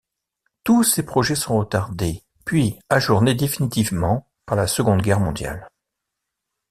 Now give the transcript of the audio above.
Tous ces projets sont retardés, puis ajournés définitivement par la Seconde Guerre mondiale.